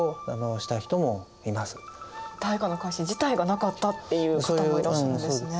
大化の改新自体がなかったっていう方もいらっしゃるんですね。